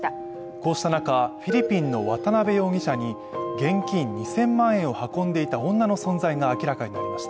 こうした中、フィリピンの渡辺容疑者に現金２０００万円を運んでいた女の存在が明らかになりました。